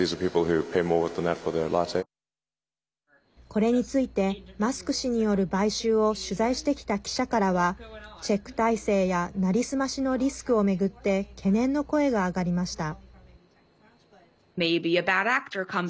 これについてマスク氏による買収を取材してきた記者からはチェック体制やなりすましのリスクを巡って懸念の声が上がりました。